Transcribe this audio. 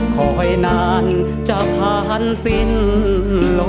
คอยนานจะผ่านสิ้นลม